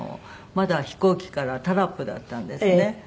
まだ飛行機からタラップだったんですね。